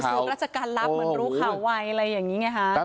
ตารับเหมือนบุรุข่าวไวอะไรอย่างนี้ไงฮะ